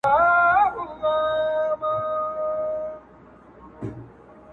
o زه هم اسېوان، ته هم اسېوان، ته ماته وائې غزل ووايه!